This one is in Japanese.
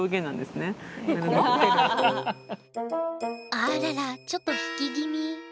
あららちょっと引き気味。